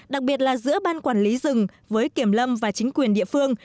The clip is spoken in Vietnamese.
đặc biệt là giữa ban quản lý rừng với kiểm lâm và chính quyền địa phương